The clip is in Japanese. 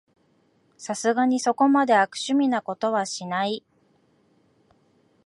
さすがにそこまで悪趣味なことはしない